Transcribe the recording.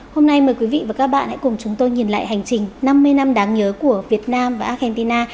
hôm nay mời quý vị và các bạn hãy cùng chúng tôi nhìn lại hành trình năm mươi năm đáng nhớ của việt nam và argentina